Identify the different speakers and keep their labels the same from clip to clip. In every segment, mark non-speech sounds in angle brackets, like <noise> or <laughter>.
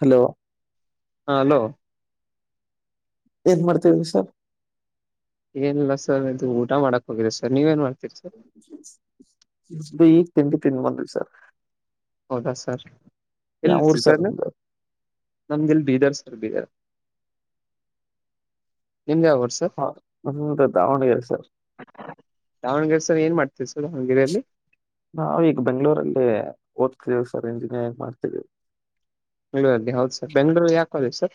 Speaker 1: Hello
Speaker 2: ಹಾ hello
Speaker 1: ಏನ್ ಮಾಡ್ತೇವಿ ವಿ ಸರ್
Speaker 2: ಏನಿಲ್ಲ ಸರ್ ಇದು ಊಟ ಮಾಡಕ್ ಹೋಗಿದೆ ಸರ್ ನೀವ ಏನ್ ಮಾಡ್
Speaker 1: <inaudible> ಈಗ ತಿಂಡಿ ತಿನ್ ಬಂದವಿ ಸರ್
Speaker 2: ಹೌದಾ ಸರ್
Speaker 1: ಯಾವ ಊರ್
Speaker 2: ಎಲ್ಲಿತ್ತುೀ ಸರ್
Speaker 1: ನಿಮ್ದು
Speaker 2: ನಮಗೆಲ್ಲಿ ಬೀದರ್ ಸ ರ್ಬ <inaudible> ನಿಮ್ದ ಯಾವರ್ ಸರ್
Speaker 1: ಹ ನಮ್ದು ದಾವಣಗೆರೆ ಸರ್
Speaker 2: <inaudible> ದಾವಣಗೆರೆ ಸರ್ ಏನ್ ಮಾಡ್ತ ಧಾವಣಗೆರಲ್ಲಿ
Speaker 1: ನಾವವು ಈಗ ಬೆಂಗ್ಗಳೂರಲ್ಲಿ ಓದ್ತೀವಿ ಸರ್ ಇಂಜಿನಿಯರಿಂಗ್ ಮಾಡ್ತವಿ
Speaker 2: ಬೆಂಳೂರಲ್ಲಿ ಹೌದು ಸರ್ ಬೆಂಗ್ಗಳೂರು ಯಾಕಾಗೆ ಸರ್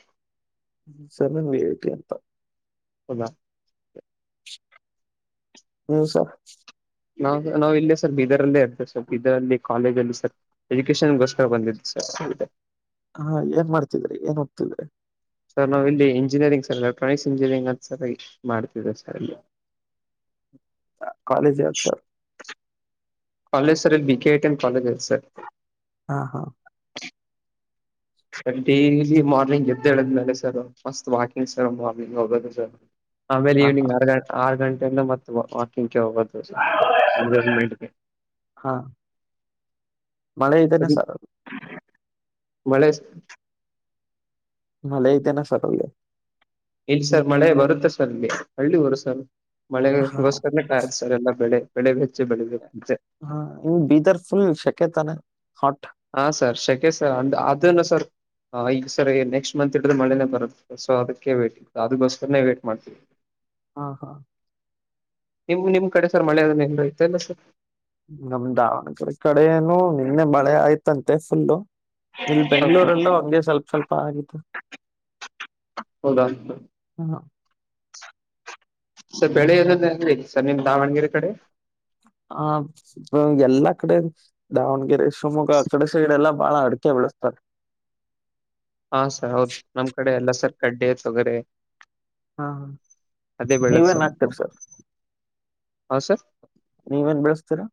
Speaker 1: ಹ್ಮ ಸಮನ್ಳ್ತ ಅಂತ
Speaker 2: ಹೌದಾ
Speaker 1: ಹ್ಮಸ
Speaker 2: ನಾವು ನಾವವು ಇಲ್ಲೇ ಸರ್ ಬೀದರಲ್ಲೇ ಇರ್ತೇವೆ ಸರ್ ಬೀದರಲ್ಲಿ ಕಾಲೇಜಲ್ಲಿ ಸರ್ ಎಜುಕೇಶನ್ಗೋಸ್ಕರ ಬಂದಿದ್ವಿ ಸರ್ ಸ
Speaker 1: ಹಾ ಏನ್ ಮಾಡ್ತಿದ್ರಿ ಏನ್ ಹೋಗ್ತಿದ್ರೆ
Speaker 2: ಸರ್ ನಾವವು ಇಲ್ಲಿ ಇಂಜಿನಿಯರಿಂಗ್ ಸರ್ ಎಲೆಕ್ಟ್ರಾನಿಕ್ಸ್ ಇಂಜಿನಿಯರಿಂಗ್ ಅಂತ ಸರಿಾಗಿ ಮಾಡ್ತಿದವೆ ಸರ್ ಇಲ್ಲಿ
Speaker 1: <inaudible> ಕಾಲೇಜ್ ಯ ಸರ್
Speaker 2: ಕಾಲೇಜ್ ಸರ್ ಇಲ್ಲಿ ಬಿ ಕೆ ಐಟ ಎನ್ ಕಾಲೇಜ್ ಇ ಸರ್
Speaker 1: ಹಾ ಹಾ
Speaker 2: ಸರ್ ಡೈಲಿ ಮಾರ್ನಿಂಗ್ ಎದ್ದೇಳದ್ಮೇಲೆ sir first walking sir morning ಹೋಗೋದು ಸರ್ ಆಮೇಲೆ
Speaker 1: ಹಾ ಹಾ
Speaker 2: ಈವ್ನಿಂಗ ಆರ್ ಆರು ಗಂೆ ಮ ವಾಕಿಂಗ್ಗೆ ಹೋಗೋದುಂಗೆ
Speaker 1: ಹಾ ಮಳೆ ಈತನ್ನೆ
Speaker 2: ಸರಿ
Speaker 1: ಸ
Speaker 2: ಮಳೆ
Speaker 1: ಮಲ ಇತೆನೆ ಸರಲ್ಲ
Speaker 2: ಇಲ್ಲಿ ಸರ್ ಮಳೆ ಬರುತ್ತೆ ಸರ್ ಇಲ್ಲಿ ಹಳ್ಳಿ ಬರು ಸರ್
Speaker 1: ಹಾ
Speaker 2: ಮಳೆಗೋಸ್ಕರೇಟಾಯತ ಸರ್ ಎಲ್ಲ ಬೆಳೆ ಬೆಳೆ ಬೆಚ್ಚಿ ಬೆಳಿಬೇಕೆ
Speaker 1: ಹಾ ಇ ಬಿದರ ಫುಲ್ ಶಕ ತನೆ.
Speaker 2: ಹಾ ಸರ್ ಶಕ್ಕೆ ಸರ್ ಅ ಅದನ್ನು ಸರ್. ಹ ಈಗ ಸರಿ ನೆಕ್ಸ್ಟ್ ಮಂತ್ ಹಿಡಿದ್ರು ಮಳೇನೇ ಬರುತ್ತೆ ಸೊ ಅದಕ್ಕೆ ವೇಟ್ ಇತ್ತು ಅದಕ್ಕೋಸ್ಕರನೆ ವೇಟ್ ಮಾಡ್ತೀವಿ.
Speaker 1: ಹಾ ಹಾ.
Speaker 2: ನಿಮ್ ನಿಮ್ ಕಡೆ ಸರ್ ಮಳೆ ಅದನ್ನ ನೆನೆದ <unintelligible> ಸರ್.
Speaker 1: ನಮ ದಾವಣಗೆರೆ ಕಡೆಏನು ನಿನ್ನೆ ಮಳೆ ಆಯ್ತಂತೆ ಫುಲ್ಲು. ಇಲ್ ಬೆಂಗ್ಳೂರೆಲ್ಲ ಹಗೆ ಸ್ವಲ್ಪ ಸ್ವಲ್ಪ ಆಗಿತ್ತು.
Speaker 2: ಹೌದಾ.
Speaker 1: ಹ,
Speaker 2: <inaudible> <inaudible> ಸರ್ ಬೆಳೆ ಇರೋದ ಹೆಂಗ ಆಯ್ತಿ ಸರ್ ನಿಮ್ ದಾವಣಗೆರೆ ಕಡೆ.
Speaker 1: ಆ ನಮ್ಮ ಎಲ್ಲಾ ಕಡೆ ದಾವಣಗೆರೆ ಶಿವಮೊಗ್ಗ ಕಡೆ ಸೈಡೆ ಎಲ್ಲಾ ಬಾಳ ಅಡಿಕೆ ಬೆಳಸ್ತಾರ.
Speaker 2: ಹಾ ಸರ್ ಹೌದ ಸರ್ ನಮ್ ಕಡೆ ಎಲ್ಲ ಸರ್ ಕಡ್ಲೆ ತೊಗರೆ.
Speaker 1: ಹ್ಮ
Speaker 2: ಅದೇ
Speaker 1: ಹ
Speaker 2: ಬೆಳೆದ್
Speaker 1: ನೀವೇನ್ ಹಾಕ್ತಿರಿ ಸರ್.
Speaker 2: ಹಾ ಸರ್
Speaker 1: ನೀವೇನ್ ಬೆಳೆಸ್ತೀರಾ.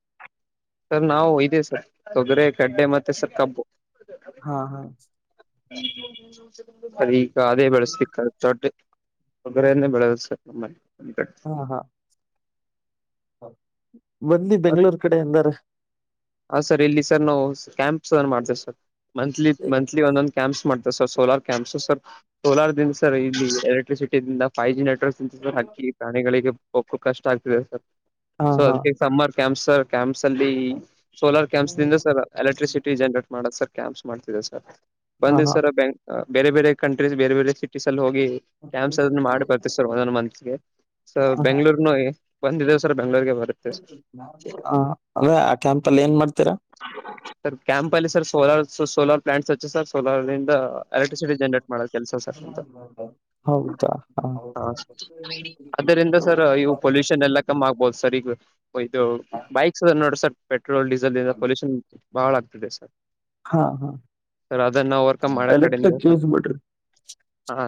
Speaker 2: ಸರ್ ನಾವು ಇದೆ ಸರ್ ತೊಗರೆ ಕಡ್ಡೆ ಮತ್ತೆ ಸರ್ ಕಬ್ಬು.
Speaker 1: ಹಾ ಹಾ
Speaker 2: ಅದ ಈಗ ಅದೇ ಬೆಳಸತಿವಿ ಕರ. <unintelligible> ತೊಗರಿ ನೆ ಬೆಳೆದು ಸರ್ ನಮ್ ಅಲ್ಲಿ.
Speaker 1: ಹ್ಮ ಹಾ. ಬನ್ನಿ ಬೆಂಗಳೂರು ಕಡೆ ಎಂದಾರ.
Speaker 2: ಹ ಸರ್ ಇಲ್ಲಿ ಸರ್ ನಾವು ಕ್ಯಾಂಪ್ಸ್ ಮಾಡ್ತೇವೆ ಸರ್ ಮಂತ್ಲಿ ಮಂತ್ಲಿ ಒಂದೊಂದ. ಕ್ಯಾಂಪ್ಸ್ ಮಾಡ್ತಾವ sir solar camps sir solar ದಿಂದ ಸರ್ ಇಲ್ಲಿ ಎಲೆಕ್ಟ್ರಿಸಿಟಿಿಂದ ಫೈ್ ಜಿ ನೆಟ್ವರ್ಕ್. ಹಕ್ಕಿ ಪ್ರಾಣಿಗಳಿಗೆ ಬಕ್ಕ ಕಷ್ಟ ಆಗ್ತಿದೆ ಸರ್
Speaker 1: ಹಾ
Speaker 2: ಸೊ
Speaker 1: ಹಾ
Speaker 2: ಅದಕ್ಕೆ ಸಮ್ಮರ್. ಕ್ಯಾಂಪ್ಸ್ ಸರ್ ಕ್ಯಾಂಪ್ಸ್ ಅಲ್ಲಿ ಸೋಲಾರ್ ಕ್ಯಾಂಪ್ಸ್ ದಿಂದ ಸರ್ ಎಲೆಕ್ಟ್ರಿಸಿಟಿ ಜನ್ರೇಟ್ ಮಾಡದ ಸರ್. ಕ್ಯಾಂಪ್ಸ್ ಮಾಡ್ತಿರ ಸರ್
Speaker 1: ಹಾ
Speaker 2: ಬಂದ್
Speaker 1: ಹಾ
Speaker 2: ಸರ್ ಬೇರೆ ಬೇರೆ ಕಂಟ್ರೀಸ್ ಬೇರೆ ಬೇರೆ ಸಿಟೀಸ್ ಅಲ್ಲಿ ಹೋಗ. ಗಿ
Speaker 1: ಹ
Speaker 2: ಕ್ಯಾಂಪ್ಸ್ ಅದ ಮಾಡಿ ಬರ್ತವಿ ಸರ್ ಒಂದೊಂದ್ ಮಂತ್ಗೆ ಸ
Speaker 1: ಹಾ
Speaker 2: ಬೆಂಗಗಳೂರ್ ನು ಬಂದಿದ್ದೇವ ಸರ್. ಬೆಂಗ್ಳೂರ್ಗೆ ಬರುತ್ತೆ ಸರ್
Speaker 1: ಹ ಅದ ಕ್ಯಾಂಪ್. ಅಲ್ಲಿ ಏನ್ ಮಾಡ್ತೀರಾ
Speaker 2: ಸರ್ ಕ್ಯಾಂಪ್ ಅಲ್ಲಿ ಸರ್ ಸೋಲಾರ್ ಸ ಸೋಲಾರ್ ಪ್ಲಾಂಟ್ಸ್ ಹಚ ಸರ್ ಸೋಲಾರ್. <unintelligible> ಎಲೆಕ್ಟ್ರಿಸಿಟಿ ಜನರೇಟ್ ಮಾಡದು ಕೆಲ್ಸ ಸರ್ ನಮ್ದು
Speaker 1: ಹೌದಾ
Speaker 2: ಹ. ಅದರಿಂದ ಸರ್ ಇವು ಪೊಲ್ಯೂಷನ್ ಎಲ್ಲಾ ಕಮ್ಮ್ ಆಗ್ಬೋದು ಸರ್ ಈಗ. ಇದು
Speaker 1: ಹ
Speaker 2: ಬೈಕ್ಸ್ ನೋಡ್ರ ಸರ್ ಪೆಟ್ರೋಲ್ ಡೀಸೆಲ್ಿಂದ ಪೊಲ್ಯೂಷನ್ ಬಹಳ ಆಗ್ತದೆ ಸರ್.
Speaker 1: ಹಾ ಹಾ.
Speaker 2: ಸರ್ ಅದನ್ನ ಓವರ್ಕಮ್ ಮಾಡಕ್ ಕಡಿಂದ
Speaker 1: ಎಲೆಕ್ಟ್ರಿಕ್
Speaker 2: ಸರ್
Speaker 1: ಯೂಸ್ ಬಿಡ್ರಿ
Speaker 2: ಹಾ.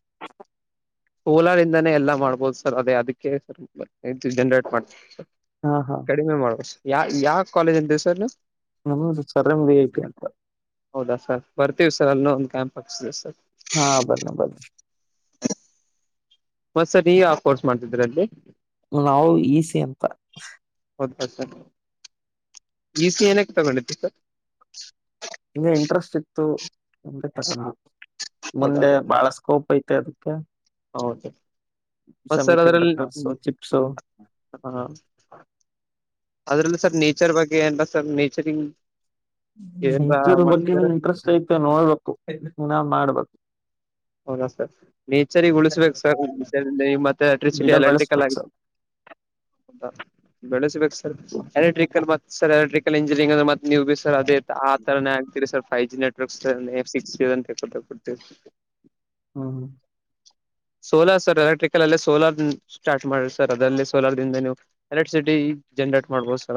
Speaker 1: <inaudible>
Speaker 2: ಸೋಲಾರ್ಂದನೇ ಎಲ್ಲ ಮಾಡ್ಬೋದು ಸರ್ ಅದೇ ಅದಕ್ಕೆ ಹೆಚ್ಚ ಜನ್ರೇಟ್ ಮಾಡತಿವಿ ಸರ್
Speaker 1: ಹಾ ಹಾ
Speaker 2: ಕಡಿಮೆ ಮಾಡುವ ಯಾ ಯಾವ ಕಾಲೇಜ್ ಅಂದೇ ಸರ್ ನೀವು.
Speaker 1: ಹ್ಮ್ಮ್ ಹ್ಮ್ ಸರ್ ಎಂ ವಿ <unintelligible> ಅಂತ.
Speaker 2: ಹೌದಾ ಸರ್ ಬರ್ತೀವಿ ಸರ್ ಅಲ್ಲಿ ಒಂದು ಕ್ಯಾಂಪ್ ಹಾಕ್ಸಿವಿ ಸರ್.
Speaker 1: ಹಾ ಬನ್ನ ಬನೀ.
Speaker 2: ಹೋತ್ಸರೀ ಯಾವ ಕೋರ್ಸ್ ಮಾಡ್ತಿದ್ರ ಅಲ್ಲಿ.
Speaker 1: ನಾವು ಈಸಿ ಎಂ ಅಂತ.
Speaker 2: ಹೌದಾ ಸರ್ ಈಸ ಏನಕ್ಕೆ ತಗೊಂಡರಿ ಸರ್.
Speaker 1: ಹಿಂಗ ಇಂಟ್ರೆಸ್ಟ್ ಇತ್ತು ಅಂತ ತಕೊಳನ
Speaker 2: ಹೌದಾ
Speaker 1: ಮುಂದೆ
Speaker 2: ಸರ್
Speaker 1: ಬಹಳ ಸ್ಕೋಪ್ ಐತ. ತೆ ಅದಕ್ಕೆ.
Speaker 2: ಹೌದು.
Speaker 1: ಸೆಮಿಕಂಡಕ್ಟರ್ಸ್ ಸು ಚಿಪ್ಸ್ ಸು.
Speaker 2: ಹಾ ಅದ್ರಲ್ಲಿ ಸರ್ ನೇಚರ್ ಬಗ್ಗೆ ಏನ್ ರ ಸರ್ ನೇಚರಿಂಗ.
Speaker 1: ನಚರ್ ಬಗ್ಗೆ ಇಂಟ್ರೆಸ್ಟ್ ಐತೆ ನೋಡ್ಬೇಕು ನಾ ಮಾಡ್ಬೇಕು.
Speaker 2: ಹೌದಾ ಸರ್ ನೇಚರ್ ಗಿ ಉಳಿಸಬೇಕ ಸರ್ ಸಂಡೇ ಮತ್ತೆ ಎಲೆಕ್ಟ್ರಿಸಿಟಿ
Speaker 1: ಗಿಡ
Speaker 2: ಎಲೆಕ್ಟ್ರಿಕಲ್
Speaker 1: ಬೆಳೆಸ್ಬೇಕು
Speaker 2: ಆಗಿ.
Speaker 1: ಸರ್
Speaker 2: ಹೌದ ಬೆಳೆಸಬೇಕ ಸರ್ ಎಲೆಕ್ಟ್ರಿಕಲ್ ಮ ಸರ್ ಎಲೆಕ್ಟ್ರಿಕಲ್ ಇಂಜಿನಿಯರಿಂಗ್ ಅಂದ್ರ ಮತ. ನೀವು ಬಿ ಸರ್ ಅದೇ ಆ ತರನೇ ಆಗ್ತಿೀರಿ ಸರ್ ಫೈ್ ಜಿ ನೆಟ್ವರ್ಕ್ಸ್ ತರಾನೇ ಸಿಕ್ಸ್ ಜಿ. <unintelligible>
Speaker 1: ಹ ಹ
Speaker 2: ಸೋಲಾರ್ ಸರ್ ಎಲೆಕ್ಟ್ರಿಕಲ್ ಅಲ್ಲೇ ಸೋಲಾರ್ ನ್. ಜನ್ರೇಟ್ ಮಾಡ್ಬೋದ್ ಸ್.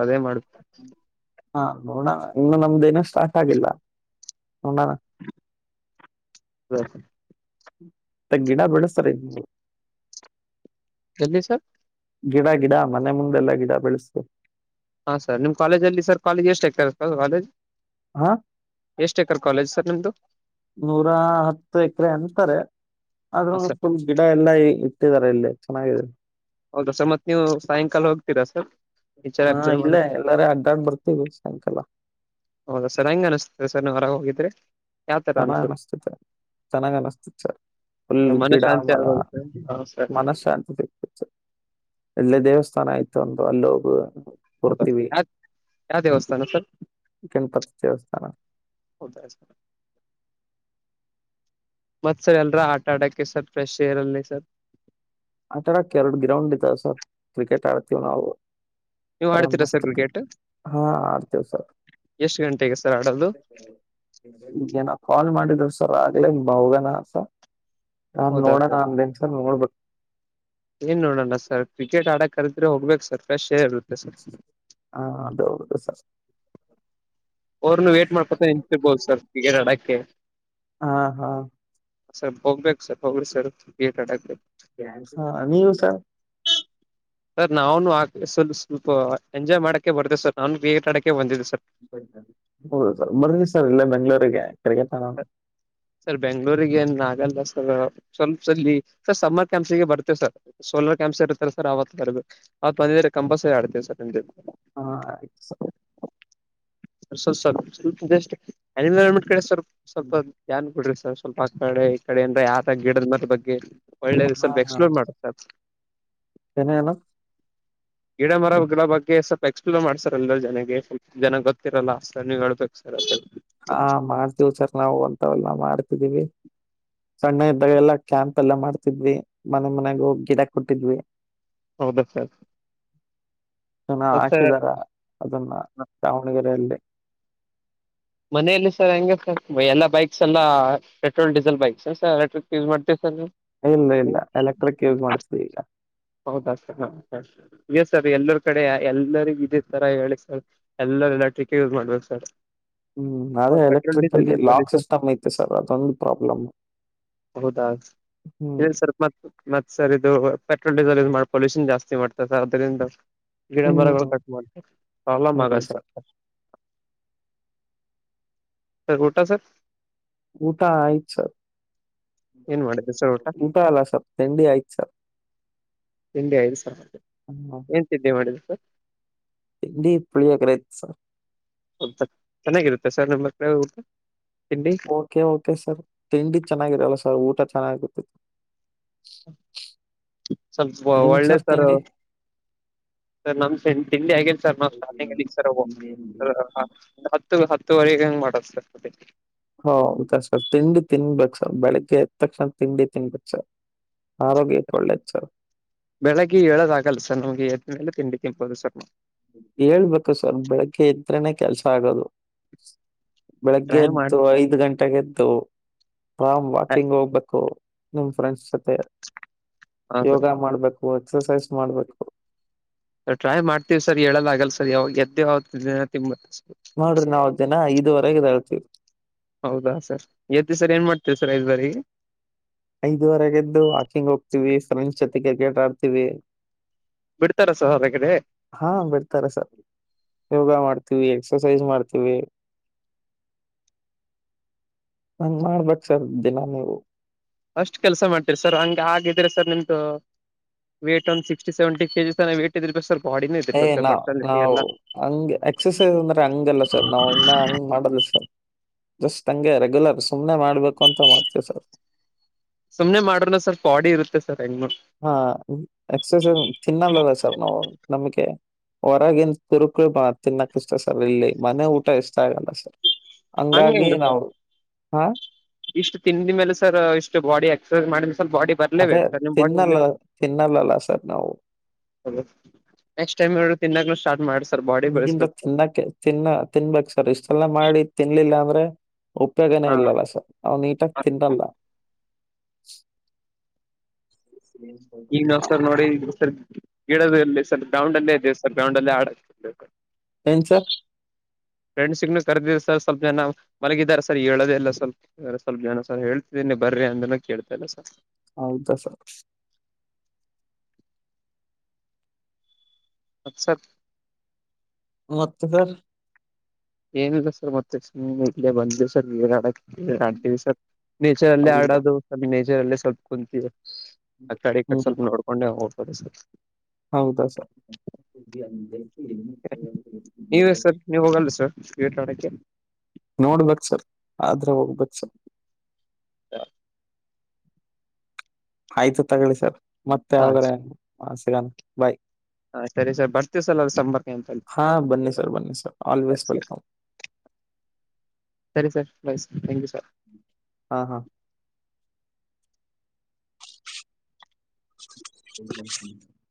Speaker 1: ಹಾ ನೋಣ ಇನ್ನು ನಮ್ದೇನ ಸ್ಟಾರ್ಟ್ ಆಗಿಲ್ಲ. ನೋಡೋಣ
Speaker 2: ಬ್ಯಾ
Speaker 1: ತ ಗಿಡ ಬೆಳಸ್ತಾರೆ ನೀವು.
Speaker 2: ಗಲ್ಲಿ ಸಾರ್.
Speaker 1: ಗಿಡ ಗಿಡ ಮನೆ ಮುಂದೆಲ್ಲಾ ಗಿಡ ಬೆಳಸ್ತು.
Speaker 2: ಹಾ ಸರ್ ನಿಮ್ ಕಾಲೇಜ್ ಅಲ್ಲಿ ಸರ್ ಕಾಲೇಜ್ ಎಷ್ಟು ಎಕ್ರ್ ಅದ
Speaker 1: ಹಾ
Speaker 2: ಎಷ್ಟ ಎಕರ್ ಕಾಲೇಜ್ ಸರ್ ನಿಮ್ದು
Speaker 1: ನೂರ ಹತ್ತ ಎಕ್ರೆ ಅಂತರೆ.
Speaker 2: ಹಾ
Speaker 1: ಆದ್ರು
Speaker 2: ಸರ್
Speaker 1: ಫುಲ್ ಗಿಡ ಎಲ್ಲಾ ಇಟ್ಟಿದರೆ.
Speaker 2: ಹೌದಾ ಸರ್ ಮತ್ ನೀವು ಸಾಯಂಕಾಲ ಹೋಗ್ತಿ
Speaker 1: ಹಾ ಇಲ್ಲೇ ಎಲ್ಲಾರ ಅಡ್ಡಾಡ್ ಬರ್ತೀವಿ ಸಾಯಂಕಾಲ.
Speaker 2: ಹೌದಾ ಸರ್ ಹೆಂಗ್ ಅನಿಸ್ತಿದೆ ಸರ್ ನಾ ಹೊರಾಗ್ ಹೋಗಿದ್ರಿ.
Speaker 1: ಚೆನ್ನಾಗ್ ಅನ್ನಿಸ್ತಿತು ಚೆನ್ನಾಗ್ ಅನ್ನಿಸ್ತಿತು ಫುಲ್
Speaker 2: ಮನ
Speaker 1: ಗಿಡ
Speaker 2: ಶಾಂತಿ
Speaker 1: ಮರ.
Speaker 2: ಆಗೋದು ಸರ್ ಹಾ ಸರ್
Speaker 1: ಮನಶಾಂತಿ ಸಿಗ್ತಿತ್ತು, ಅಲ್ಲೇ ದೇವಸ್ಥಾನ ಇತ್ತು ಅಂದು ಅಲ್ ಹೋಗುವ.
Speaker 2: ಹೌದಾ
Speaker 1: ಕೊಡ್ತೀವಿ
Speaker 2: ಯಾವ ಯಾವ ದೇವಸ್ಥಾನ ಸರ್
Speaker 1: ಗಣ್ಪತಿ ದೇವಸ್ಥಾನ.
Speaker 2: ಹೌದ ಅಜ. ಮತ್ ಸರ್ ಎಲ್ರು ಆಟ ಆಡಕ್ಕೆ ಸರ್ ಫ್ರೆಶ್ ಏರ್ ಅಲಿ ಸರ್.
Speaker 1: ಆಟಡಕ್ ಎರಡ್ ಗ್ರೌಂಡ್ ಇದಾವ್ ಸರ್ ಕ್ರಿಕೆಟ್ ಆಡ್ತೀವ್ ನಾವು.
Speaker 2: ನೀವು
Speaker 1: ಆರ
Speaker 2: ಆಡ್ತೀರಾ ಸರ್
Speaker 1: ಮಸ್ತಕ್ ಹಾ ಆಡ್ತಿವ್ ಸರ್ರ.
Speaker 2: ಎಷ್ಟ್ ಗಂಟೆಗೆ ಸರ್ ಆಡೋದು.
Speaker 1: ನ್ ಏನೊ ಕಾಲ್ ಮಾಡಿದ ಸರ್ ಆಗ್ಲೇ ಬೌವೆ ನಾಸ ನಾನ್
Speaker 2: ಹೌದಾ
Speaker 1: ನೋಡಣ
Speaker 2: ಸರ್
Speaker 1: ಅಂದೆ ಸರ್ ನೋಡ್ಬೇಕು.
Speaker 2: ಏನ್ ನೋಡೋಣ ಸರ್ ಕ್ರಿಕೆಟ್ ಆಡ ಕರದ್ರೆ ಹೋಗ್ಬೇಕು ಸರ್ ಪ್ರೇಶ್ ಹೆರ್ ಇರುತ್ತೆ ಸರ್.
Speaker 1: ಹಾ ಅದು ಹೌದು ಸರ್.
Speaker 2: ಅವರ್ನು ವೇಟ್ ಮಾಡ್ಕತ ನಿನ್ಸರ್ಬೋದು ಸರ್ ಕಿಕೇಟ್ ಅಡಕ್ಕೆ.
Speaker 1: ಹಾ ಹಾ
Speaker 2: ಸರ್ ಹೋಗ್ಬೇಕು ಸರ್ ಹೋಗ್ರಿ ಸರ್ ಕ್ರಿಕೆಟ್ ಆಡಕೇ.
Speaker 1: ಹಾ ನೀವು ಸರ್
Speaker 2: ಸರ್ ನಾವುನು ಆಡ್ತಿವ್ ಸ್ವಲ್ಪ ಎಂಜಾಯ್ ಮಾಡಕ್ಕೆ ಬರ್ತೇ ಸರ್ ನಾನು ಕ್ರಿಕೆಟ್ ಆಡಕೇ ಬಂದಿದ್ ಸರ್.
Speaker 1: ಹೌದು ಸರ್ ಬರ್ದಿನಿ ಸರ್ ಇಲ್ಲೇ ಬೆಂಗಳೂರಿಗೆ.
Speaker 2: ಸರ್ ಬೆಂಗ್ಗಳೂರಿಗೆ ಏನ್ ಆಗಲ್ಲ ಸ. ಸ್ವಲ್ಪ ಸ ಸರ್ ಸಮ್ಮರ್ ಕ್ಯಾಂಪ್ಸ್ಗೆ ಬರ್ತೇವೆ ಸರ್ ಸೋಲಾರ್ ಕ್ಯಾಂಪ್ಸ್ ಇರ್ತ್ತಾರ ಸರ್ ಆವತ್ತ ಬರ್ಬೇಕು. ಅವತ್ ಬಂದಿದ್ರೆ ಕಂಪ ಸ
Speaker 1: ಹಾ ಆಯ್ತು ಸ.
Speaker 2: ಸ ಸರ್ ಸ್ವಲ್ಪ ಸ್ವಲ್ಪಟ್ ಆಲ್ಮೆಂಟ್ ಕಡೆ ಸ್ವಲ್ಪ ಸ್ವಲ್ಪ ಯಾನ್ ಬಿಡ್ರಿ ಸ. ಸರ್ ಸ್ವಲ್ಪ ಆ ಕಡೆ ಈ ಕಡೆ ಇಂದ ಯಾದ ಗಿಡದ್ ಮೆಲ್ ಬಗ್ಗೆ ಒಳ್ಳೇದು ಸ್ವಲ್ಪ ಎಕ್ಸ್ಪ್ಲೋರ್ ಮಾಡುತ್ತ ಸರ್.
Speaker 1: ತೇನೇ ಎನು.
Speaker 2: <inaudible> ಗಿಡ ಮರಗಳ ಬಗ್ಗೆ ಸ್ವಲ್ಪ ಎಕ್ಸ್ಪ್ಲೋರ್ ಮಾಡ್ಸರ್ ಎಲ್ಲ ಜನಗೆಲ್ ಜನಾಗ್ ಗೊತ್ತಿರಲ್ಲ ಅಷ್ಟರ್ ನೀವ್ ಹೇಳ್ಬೇಕು ಸರ್.
Speaker 1: ಹಾ ಮಾಡ್ತೀವಿ ಸರ್ ನಾವು ಅಂತವೆಲ್ಲಾ ಮಾಡ್ತಿದ್ದೀವಿ. ಸಣ್ಣ ಇದ್ದಾಗೆಲ್ಲ ಕ್ಯಾಂಪ್ ಎಲ್ಲಾ ಮಾಡ್ತಿದ್ವಿ ಮನೆ ಮನೆಗ್ ಹೋಗ್ ಗಿಡ ಕೊಟ್ಟಿದ್ವಿ.
Speaker 2: ಹೌದ ಸರ್.
Speaker 1: ಜನ
Speaker 2: ಮತ್ ಸರ್
Speaker 1: ಹಾಕಿದಾರ ಅದನ್ನ ದಾವಣಗೆರೆಯಲ್ಲಿ.
Speaker 2: ಮ
Speaker 1: ಇಲ್ಲ ಇಲ್ಲ ಎಲೆಕ್ಟ್ರಿಕ್ ಯೂಸ್ ಮಾಡ್ತಿವಿ ಈಗ.
Speaker 2: ಹೌದಾ ಸರ್ ಎ ಸರ್ ಎಲ್ಲರ್ ಕಡೆ ಎಲ್ಲಾರಿಗೂ ಇದೆ ತರ ಹೇಳಿ ಸರ್ ಎಲ್ಲಾ. ಲ ಲಾಟಿಕೆ ಯುಸ್ ಮಾಡ್ಬೇಕ್ ಸರ್.
Speaker 1: ಹ್ಮ್ ಅದೇ
Speaker 2: ಪೆಟ್ರೋಲ್
Speaker 1: ಎಲೆಕ್ಟ್ರಿಕಲ್ಲಿ
Speaker 2: ಡೀಸೆಲ್
Speaker 1: ಲಾಕ್
Speaker 2: ಪೊಲ್ಯೂಷನ್
Speaker 1: ಸಿಸ್ಟಮ್ ಐತೆ ಸರ್ ಅದೊಂದು ಪ್ರಾಬ್ಲಮ್.
Speaker 2: ಹೌದಾ
Speaker 1: ಹ್ಮ್
Speaker 2: ಎನ್ ಸರ್ ಮತ್ ಮತ್ತ್ ಸರ್ ಇದು. ಪೆಟ್ರೋಲ್ ಡೀಸಲ್ ಇದು ಮಾಡಿ ಪೊಲ್ಯೂಷನ್ ಜಾಸ್ತಿ ಸರ್ ಅದರಿಂದ. ಗಿಡ ಮರಗಳು
Speaker 1: ಹ್ಮ್
Speaker 2: ಕಟ್ ಮಾಡ್ತಾರೆ ಪ್ರಾಬ್ಲಮ್ ಆಗ ಸರ್. ಸರ್ ಊಟ ಸರ್.
Speaker 1: ಊಟ ಆಯ್ತು ಸರ್.
Speaker 2: ಏನ್ ಮಾಡಿದ್ರಿ ಸರ್
Speaker 1: ಊಟ ಅಲ್ಲ ಸರ್ ತಿಂಡಿ ಆಯ್ತ ಸರ್.
Speaker 2: ತಿಂಡಿ ಐದು ಸಾವಿರ
Speaker 1: ಹ್ಮ್.
Speaker 2: ಏನ್ ತಿಂಡಿ ಮಾಡಿದ ಸರ್.
Speaker 1: ತಿಂಡಿ ಪುಳಿಯೋಗರೆ ಸರ್.
Speaker 2: ಚೆನ್ನಾಗಿರುತ್ತೆ ಸರ್ ನಮ್ಮ ಕಡೆ ಊಟ ತಿಂಡಿ
Speaker 1: ಓಕೆ ಓಕೆ ಸರ್ ತಿಂಡಿ ಚೆನ್ನಾಗಿರಲ್ಲ ಸರ್ ಊಟ ಚೆನ್ನಗಿರುತ್ತೇ
Speaker 2: ಸ್ವಲ್ಪ ಒಳ್ಳೆ ಸರ್ ಸರ್ ನಮ್ ತಿಂಡಿ ಆಗೇನ್ ಸರ್ ನಾವ್ ಸ್ರ್ಟಿಗ್ಲ್ ಸರ್ ಹೋಗ ಹತ್ತು ಹತ್ತು ಹತ್ತುವರಿಗೇ ಹಂಗ ಮಾಡೋದು ಸರ್ ಒಟಿಗೇ
Speaker 1: ಹಾ- ಹೌದಾ ಸರ್ ತಿಂಡಿ ತಿನ್ಬೇಕು ಸರ್ ಬೆಳಿಗ್ಗೆ ಎದ್ದ ತಕ್ಷಣ ತಿಂಡಿ ತಿನ್ಬೇಕ್ ಸರ್ ಆರೋಗ್ಯಕ್ಕೆ ಒಳ್ಳೇದು ಸರ್
Speaker 2: ಬೆಳಗ್ಗೆ ಹೇಳದು ಆಗಲ್ಲ ಸರ್ ನಮ್ಗೆ ಎದಿನೇಲೆ ತಿಂಡಿ ತಿನ್ಪೋದು ಸರ್ ನಾವು
Speaker 1: ಹೇಳ್ಬೇಕು ಸರ್ ಬೆಳಗ್ಗೆ ಇದತ್ರನೆ ಕೆಲ್ಸ ಆಗೋದು ಬೆಳಗ್ಗೆ
Speaker 2: ಟ್ರೈ ಮಾಡ
Speaker 1: ಎದ್ದು ಐದ್ ಗಂಟೆಗೆ ಎದ್ದು ಆಾಮ್ ವಾಕಿಂಗ್ ಹೋಗ್ಬೇಕು ನಿಮ್ ಫ್ರೆಂಡ್ಸ್ ಜೊತೆ
Speaker 2: ಹಾ
Speaker 1: ಯೋಗ ಮಾಡ್ಬೇಕು ಎಕ್ಸಸೈಸ್ ಮಾಡ್ಬೇಕು.
Speaker 2: ಟ್ರೈ -ಮಾಡ್ತೀವಿ ಸರ್ ಹೇಳಲ್ಲಾಗಗಲ್ಲ ಸರ್ ಯಾವಾಗ ಎದ್ದು ಯಾವತ್ತು ದಿನ ತಿಂಬತ್ತ
Speaker 1: ಒಂವರೆಗೆಳ್ತೀವಿ
Speaker 2: ಹೌದಾ ಸರ್ ಎತಿ ಸರ್ ಏನ್ ಮಾಡ್ತೇವಿ ಸರ್ ಐದ್ ಬಾರಿಗೆ
Speaker 1: ಐದುವರೆಗೆದ್ದು ಹಾಕಿಂಗ್ ಹೋಗ್ತಿವಿ ಫ್ರೆಂಡ್ಸ್ ಜೊತೆ ಕ್ರಿಕೇಟಟ್ ಆಡ್ತಿವಿ
Speaker 2: ಬಿಡ್ತಾರ ಸರ್ ಹೊರಗಡೆ
Speaker 1: ಹಾ- ಬಿಡ್ತಾರೆ ಸರ್ ಯೋಗ ಮಾಡ ತವಿ ಎಕ್ಸಸೈಜ ಮಾಡ್ತೀವಿ‌. ಹನುಮ ಬಕ್ಸರ್ ದಿನಾನ
Speaker 2: ಅಷ್ಟು ಕೆಲ್ಸ ಮಾಡ್ತರಿ ಸರ್ ಹಂಗಗೆ ಆಗಿದ್ರೆ ಸರ್ ನಿಂತು. ವೇಟ್ ಒಂದು ಸಿಕ್ಸ್ಿಸೆವೆಂಟಿ ಕೆಜಿ ತ ವೇಟ್ ಇದ ಸರ್ <unintelligible>
Speaker 1: ಏ
Speaker 2: ಇದಿರ್ಬೇಕು ಸರ್
Speaker 1: -ನಾವ
Speaker 2: ಪರ್ಸನಾಲಿಟಿ
Speaker 1: ನಾವವು
Speaker 2: ಎಲ್ಲ
Speaker 1: ಹಂಗ್ ಎಕ್ಸಸೈಸ್ ಅಂದ್ರೆ ಹಂಗಲ್ಲ ಸರ್ ನಾವ್ ಇನ್ನ ಹಂಗ್ ಮಾಡಲ್ಲ ಸರ್. ಜಸ್ಟ್ ನಂಗೆ ರೆಗ್ಯುಲರ್ ಸುಮ್ಮ್ನೆ ಮಾಡ್ಬೇಕು ಅಂತ ಮಾಡ್ತೀವಿ ಸರ್.
Speaker 2: ಸುಮ್ನೆ ಮಾಡ್ರನ ಸ್ವಲ್ಪಾಡಿ ಇರುತ್ತೆ ಸರ್ ಹೆಂಗ
Speaker 1: ಹಾ- ಎಕ್ಸಸೈಸ್ ತಿನ್ನಲ್ಲದ ಸರ್ ನಾವು ನಮಿಕೆ ಹೊರಗನ್ ಕುುರುಕಳ -ಬ- ತಿನ್ನಕ ಇಷ್ಟ ಸರ್ ಇಲ್ಲಿ ಮನೆ ಊಟ ಇಷ್ಟ ಆಗಲ್ಲ ಸರ್.
Speaker 2: ಹಂಗ
Speaker 1: ಹಂಗಾಗಿ
Speaker 2: ಹೆಂಗ
Speaker 1: ನಾವ
Speaker 2: ಸರ್
Speaker 1: -ಹಾ
Speaker 2: ಇಷ್ಟು ತಿಂದ ಮೇಲೆ ಸರ್ ಇಷ್ಟು ಬಾಡಿ ಎಕ್ಸರ್ಸೈಸ್ ಮಾಡಿದ ಸ್ವಲ್ಪ ಬಾಡಿ
Speaker 1: ಅದೇ
Speaker 2: ಬರ್ಲೇಬೇಕು ಸರ್ ನಿಮ್ ಬಾಡಿ
Speaker 1: ತಿನ್ನಲ್ಲ
Speaker 2: ಒಂದ.
Speaker 1: ತಿನ್ನಲ್ಲಲ್ಲ ಸರ್ ನಾವು.
Speaker 2: ನೆಕ್ಸ್ಟ್ ಟೈಮ್ ಎ ತಿನ್ನಾಗ್ಲು
Speaker 1: ಈಗಿಂದ ತಿನ್ನಕ್ಕೆ ತಿನ್ನ ತಿನ್ಬೇಕಕ್ ಸರ್ ಇಷ್ಟೆಲ್ಲ ಮಾಡಿ ತಿನ್ಲಿಲ್ಲ ಅಂದ್ರೆ. ಉಪಯೋಗನೇ
Speaker 2: ಹಾ
Speaker 1: ಇಲ್ಲಲ್ಲ ಸರ್ ನಾ್ ನೀಟಾಗಿ ತಿನ್ನಲ್ಲ ಹ್ಮ
Speaker 2: ಈಗ ನಾವು ಸರ್ ನೋಡಿ ಗಿಡ ಇಲ್ಲಿಲ್ ಗ್ರೌಂಡ್ ಅಲ್ಲೇ ಇದೇ ಸರ್ ಗ್ರೌಂಡ್ ಅಲ್ಲೇ ಆಡ
Speaker 1: ಏ -ಸರ್
Speaker 2: ಫ್ರೆಂಡ್ಸಗೂ ಕರೆದ ಸರ್ ಸ್ವಲ್ಪ ಜನ ಮಲಗಿದ್ದಾರೆ ಸರ್ ಹೇಳೋದೆಲ್ಲ ಸ್ವಲ್ಪ ಸ್ವಲ್ಪ ಜನ ಸರ್ ಹೇಳ್ತಿದನಿ ಎಂ ಬರ್ರಿ ಅಂದನ ಕೇತ ಇಲ್ಲ ಸ
Speaker 1: ಹೌದಾ ಸರ್
Speaker 2: ಮಕ್ಸರ್
Speaker 1: ಮತ್ತದ
Speaker 2: ಏನಿಲ್ಲ ಸರ್ ಮತ್ತೆ ಇಲ್ಲೇ ಬಂದ ಸರ್ ನೀಡಕ್ಕೆ. ಡ್ತೀವಿ ಸಲ್ ನೇಚರ್ ಅಲ್ಲೇ
Speaker 1: ಹೌದಾ
Speaker 2: ಆಡೋದು ನೇಚರ್ ಅಲ್ಲೇ ಸಲ್ ಕುಂತೀವಿ ಆ- ಕಡೆ ಕಡೆ ಸ್ವಲ್ಪ ನೋಡ್ಕೊಂಡೆ ಹೋಗ್ತದೆ ಸರ್
Speaker 1: ಹೌದ ಸ
Speaker 2: ನೀವೇ ಸರ್ ನೀವ್ ಹೋಗಲ್ ಸರ್ ವೀಟಡಕ್ಕೆ
Speaker 1: ನೋಡ್ಬೇಕಕ್ ಸರ್ ಆದ್ರೆ ಹೋಗ್ಬೇಕಕ್ ಸರ್
Speaker 2: ಹ
Speaker 1: ಆಯ್ತು ತಗೊಳ್ಳಿ ಸರ್ ಮತ್ತೆ
Speaker 2: ಹಾ
Speaker 1: ಅವಾವಾಗ್ರ ಸಿಗಾನ ಬಾಯ್
Speaker 2: ಹಾ ಸರಿ ಸರ್ ಬರ್ತೀವಿ ಸರ್ ಅದ ಸಂಂಬರ್ಕ್ಕೆ ಅಂತಿ
Speaker 1: ಹಾ ಬನ್ನಿ ಸರ್ ಬನ್ನಿ ಸರ್ ಆಲ್ವೇಸ್
Speaker 2: ಸರಿ ಸರಿ
Speaker 1: ವೆಲ್ಕಮ್
Speaker 2: ಸರಿ sir bye sir thank you sir
Speaker 1: ಹಾ ಹಾ ಹ